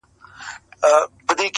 تاو یې دی له سره خو حریر خبري نه کوي,